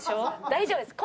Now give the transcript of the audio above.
大丈夫です。